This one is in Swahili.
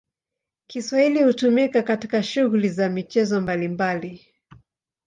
Kiswahili hutumika katika shughuli za michezo mbalimbali.